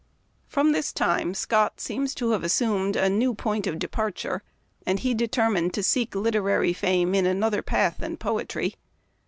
From this time Scott seems to have assumed a "new point of departure," and he determined to seek literary fame in an other path than poetry.